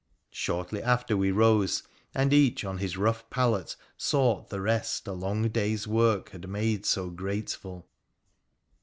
' Shortly after we rose, and each on his rough pallet sought the rest a long days work had made so grateful.